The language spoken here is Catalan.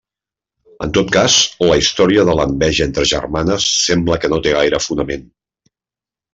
En tot cas, la història de l'enveja entre germanes sembla que no té gaire fonament.